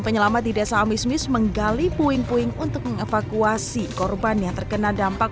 penyelamat di desa amismis menggali puing puing untuk mengevakuasi korban yang terkena dampak